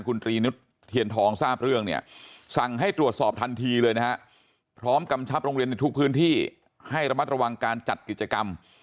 คุณตรีนุษย์เทียนทองทราบเรื่องเนี่ยสั่งให้ตรวจสอบทันทีเลยนะฮะพร้อมกำชับโรงเรียนในทุกพื้นที่ให้ระมัดระวังการจัดกิจกรรม